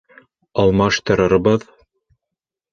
Алмаштырырбыҙ?